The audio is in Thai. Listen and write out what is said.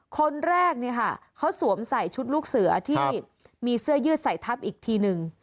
คนแรกเนี่ยค่ะเขาสวมใส่ชุดลูกเสือที่มีเสื้อยืดใส่ทับอีกทีหนึ่ง